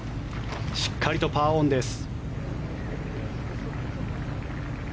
しっかりとパーオンです。